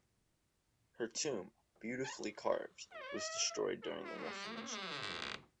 Her tomb, beautifully carved, was destroyed during the Reformation.